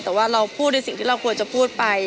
แต่ว่าเราพูดในสิ่งที่เราควรจะพูดไป